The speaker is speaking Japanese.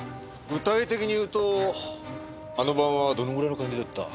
具体的に言うとあの晩はどのぐらいの感じだった？